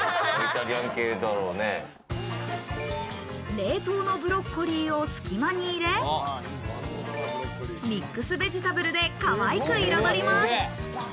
冷凍のブロッコリーを隙間に入れ、ミックスベジタブルでかわいく彩ります。